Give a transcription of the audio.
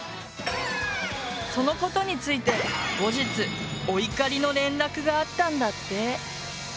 そのことについて後日お怒りの連絡があったんだって。